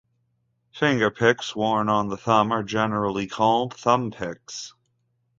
Fingerpicks worn on the thumb are generally called "thumbpicks".